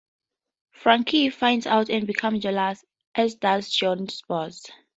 Frankie finds out and becomes jealous, as does Johnny's boss.